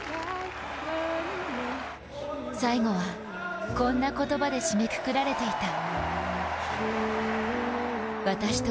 最後はこんな言葉で締めくくられていた。